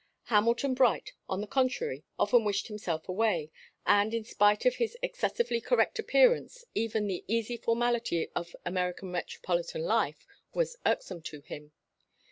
Hamilton Bright, on the contrary, often wished himself away, and in spite of his excessively correct appearance even the easy formality of American metropolitan life was irksome to him.